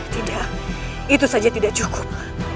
tidak itu saja tidak cukup